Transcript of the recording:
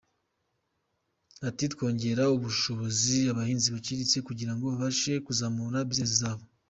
Ati “Twongerera ubushobozi abahinzi baciriritse kugira ngo babashe kuzamura bizinesi zabo.